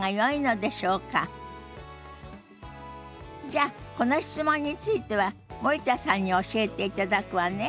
じゃあこの質問については森田さんに教えていただくわね。